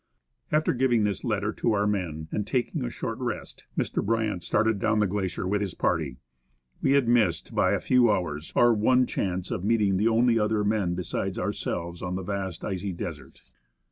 After giving this letter to our men and taking a short rest, Mr. Bryant started down the glacier with his party. We had missed, by a few hours, our one chance of meeting the only other men besides ourselves on the vast icy desert.